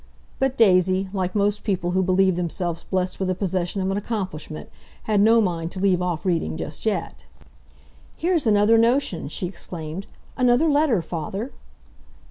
But Daisy, like most people who believe themselves blessed with the possession of an accomplishment, had no mind to leave off reading just yet. "Here's another notion!" she exclaimed. "Another letter, father!"